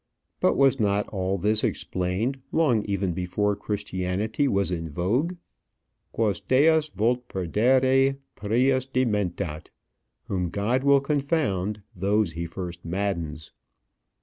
But was not all this explained long even before Christianity was in vogue? "Quos Deus vult perdere, prius dementat." Whom God will confound, those he first maddens.